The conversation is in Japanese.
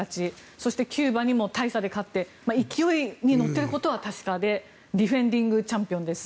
そして、キューバにも大差で勝って勢いに乗っていることは確かでディフェンディングチャンピオンです。